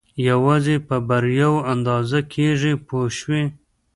یوازې په بریاوو اندازه کېږي پوه شوې!.